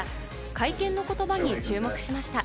会見の言葉に注目しました。